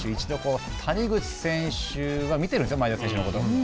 一度谷口選手は見ているんです前田選手のこと。